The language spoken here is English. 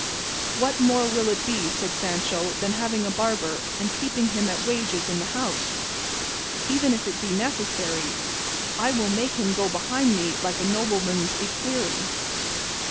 "What more will it be," said Sancho, "than having a barber, and keeping him at wages in the house? and even if it be necessary, I will make him go behind me like a nobleman's equerry."